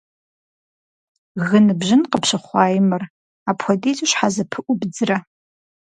Гынбжьын къыпщыхъуаи мыр, апхуэдизу щхьэ зыпыӀубдзрэ?